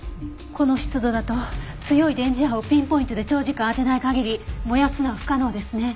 この湿度だと強い電磁波をピンポイントで長時間当てない限り燃やすのは不可能ですね。